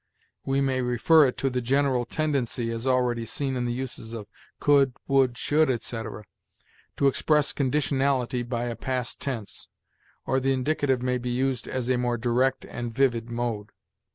We may refer it to the general tendency, as already seen in the uses of 'could,' 'would,' 'should,' etc., to express conditionality by a past tense; or the indicative may be used as a more direct and vivid mode.